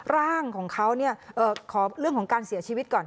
ร่างของเขาขอเรื่องของการเสียชีวิตก่อน